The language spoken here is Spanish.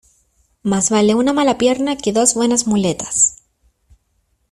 Más vale una mala pierna que dos buenas muletas.